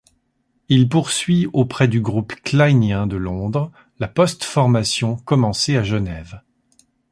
Il poursuit auprès du groupe kleinien de Londres, la postformation commencée à Genève.